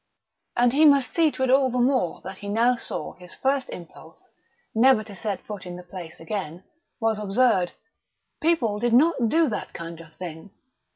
And he must see to it all the more that he now saw his first impulse, never to set foot in the place again, was absurd. People did not do that kind of thing.